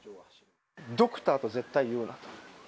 ドクターと絶対言うなと。